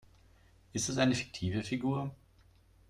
Ist es eine fiktive Figur?